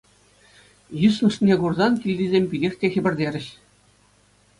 Йыснӑшне курсан килтисем питех те хӗпӗртерӗҫ.